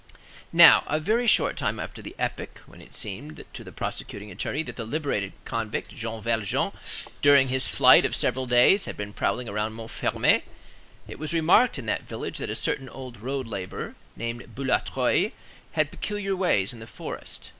Now, a very short time after the epoch when it seemed to the prosecuting attorney that the liberated convict Jean Valjean during his flight of several days had been prowling around Montfermeil, it was remarked in that village that a certain old road laborer, named Boulatruelle, had "peculiar ways" in the forest.